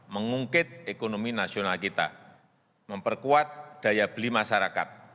mengungkit ekonomi nasional kita memperkuat daya beli masyarakat